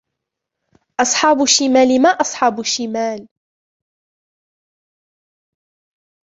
وأصحاب الشمال ما أصحاب الشمال